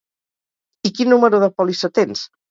I quin número de pòlissa tens?